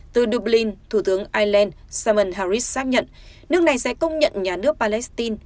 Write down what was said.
từ dublin thủ tướng ireland simon harris xác nhận nước này sẽ công nhận nhà nước palestine